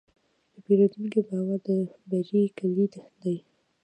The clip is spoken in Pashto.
د پیرودونکي باور د بری کلید دی.